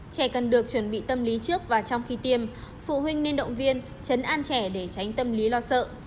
trẻ cần được chuẩn bị tâm lý trước và trong khi tiêm phụ huynh nên động viên chấn an trẻ để tránh tâm lý lo sợ